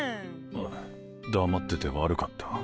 んっ黙ってて悪かった。